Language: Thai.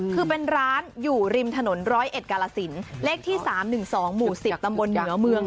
คือเป็นร้านอยู่ริมถนน๑๐๑กาลสินเลขที่๓๑๒หมู่๑๐ตำบลเหนือเมือง